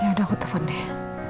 ya udah aku telfon deh